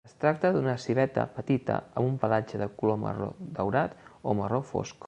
Es tracta d'una civeta petita amb un pelatge de color marró daurat o marró fosc.